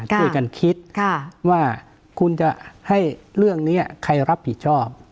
ช่วยกันคิดว่าคุณจะให้เรื่องนี้ใครรับผิดชอบ